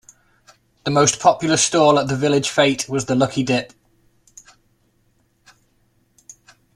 The most popular stall at the village fete was the lucky dip